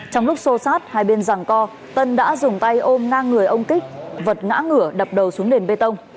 trong lúc xô sát hai bên ràng co tân đã dùng tay ôm ngang người ông kích vật ngã ngửa đập đầu xuống đền bê tông